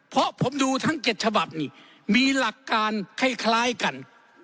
เพราะผมดูทั้ง๗ฉบับนี่มีหลักการคล้ายกัน